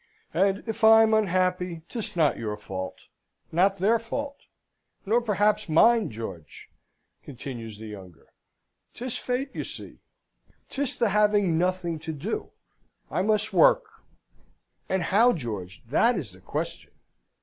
"And if I'm unhappy, 'tis not your fault nor their fault nor perhaps mine, George," continues the younger. 'Tis fate, you see, 'tis the having nothing to do. I must work; and how, George? that is the question."